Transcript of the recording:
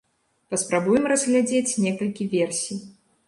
Паспрабуем разглядзець некалькі версій.